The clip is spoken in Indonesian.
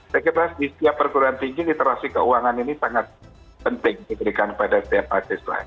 saya kira di setiap perguruan tinggi literasi keuangan ini sangat penting diberikan pada setiap mahasiswa